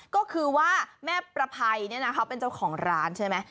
ก็คือว่าแม่ประภัยเนี่ยนะเขาเป็นเจ้าของร้านใช่ไหม